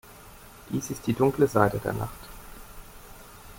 Dies ist die dunkle Seite der Nacht.